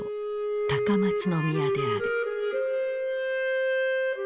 高松宮である。